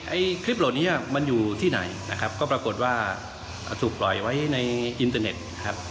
ไอ้คลิปเหล่านี้มันอยู่ที่ไหนนะครับก็ปรากฏว่าถูกปล่อยไว้ในอินเตอร์เน็ตนะครับ